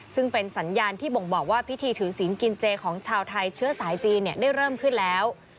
ซึ่งเป็นสัญญาณที่บ่งบอกว่าพิธีถือศีลกินเจของชาวไทยเชื้อสายจีนได้เริ่มขึ้นแล้ว